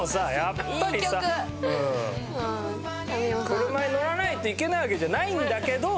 車に乗らないといけないわけじゃないんだけど。